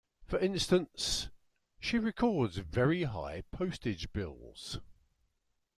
For instance, she records very high postage bills.